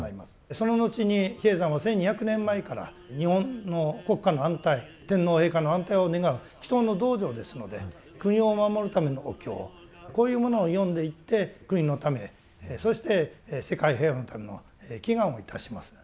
その後に比叡山は１２００年前から日本の国家の安泰天皇陛下の安泰を願う祈祷の道場ですので国を守るためのお経こういうものを読んでいって国のためそして世界平和のための祈願をいたします。